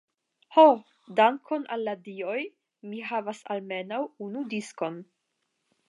Ho, dankon al la Dioj, mi havas almenaŭ unu diskon.